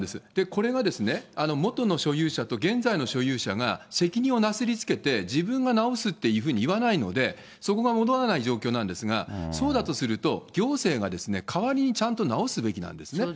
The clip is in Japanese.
これは元の所有者と現在の所有者が責任をなすりつけて自分が直すっていうふうに言わないので、そこが戻らない状況なんですが、そうだとすると、行政が代わりにちゃんと直すべきなんですね。